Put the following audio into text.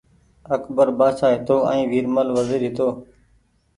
اڪبر بآڇآ هيتو ائين ويرمل وزير هيتو